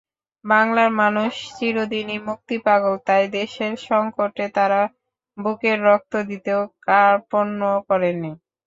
বাংলার মানুষ চিরদিনই মুক্তিপাগল তাই দেশের সংকটে তারা বুকের রক্ত দিতেও কার্পণ্য করেনি।